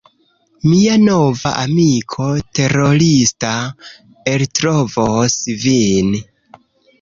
Mia nova amiko terorista eltrovos vin!